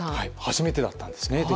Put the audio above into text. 初めてだったんですね。